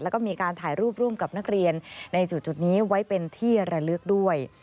แล้วก็มีการถ่ายรูปร่วมกับนักเรียนในจุดนี้ไว้เป็นที่ระลึกด้วย